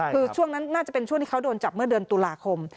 คือช่วงนั้นน่าจะเป็นช่วงที่เขาโดนจับเมื่อเดือนตุลาคม